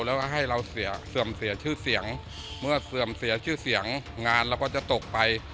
แล้วก็ให้เราเสียเสื่อมเสียชื่อเสียงเมื่อเสื่อมเสียชื่อเสียงงานเราก็จะตกไป